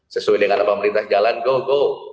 sesuai dengan apa pemerintah jalan go go